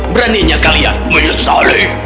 beraninya kalian menyesali